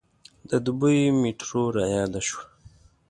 د دبۍ میټرو رایاده شوه.